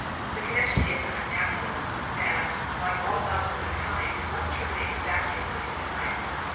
The connection is an unnatural one, and, like all others of the kind, must terminate disastrously in time.